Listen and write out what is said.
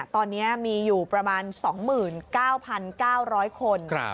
ตอนนี้มีอยู่ประมาณ๒๙๙๐๐คน